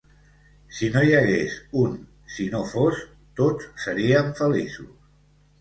Si no hi hagués un «si no fos», tots seríem feliços.